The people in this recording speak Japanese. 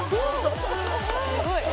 すごい。